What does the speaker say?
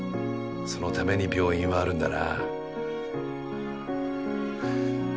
そのために病院はあるんだな。